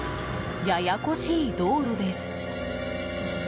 ややこしい道路です。